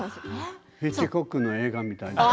ヒッチコックの映画みたい。